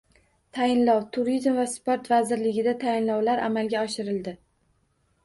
Tayinlov: Turizm va sport vazirligida tayinlovlar amalga oshirildi